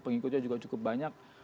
pengikutnya juga cukup banyak